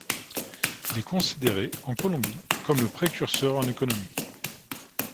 Il est considéré, en Colombie, comme le précurseur en économie.